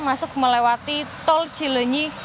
masuk melewati tol cilenyi